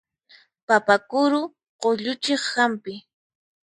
Papa kuru qulluchiq hampi.